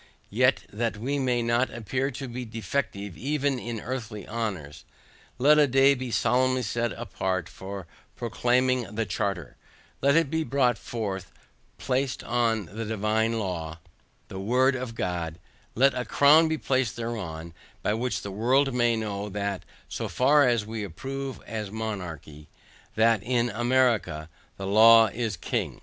Yet that we may not appear to be defective even in earthly honors, let a day be solemnly set apart for proclaiming the charter; let it be brought forth placed on the divine law, the word of God; let a crown be placed thereon, by which the world may know, that so far as we approve as monarchy, that in America THE LAW IS KING.